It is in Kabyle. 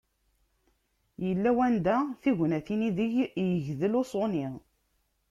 Yella wanda, tignatin i deg yegdel uṣuni.